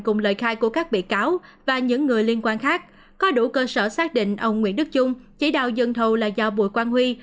cùng lời khai của các bị cáo và những người liên quan khác có đủ cơ sở xác định ông nguyễn đức trung chỉ đạo dân thầu là do bùi quang huy